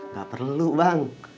gak perlu bang